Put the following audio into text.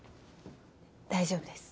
大丈夫です。